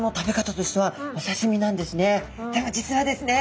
でも実はですね